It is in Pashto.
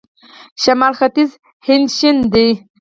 شمال ختیځ هند شین دی.